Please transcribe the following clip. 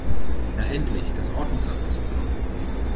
Na endlich, das Ordnungsamt ist da!